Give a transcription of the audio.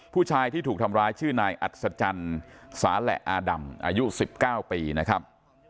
ผู้ชายที่ถูกทำร้ายชื่อนายอัศจรรย์สาแหละอาดำอายุ๑๙ปีนะครับ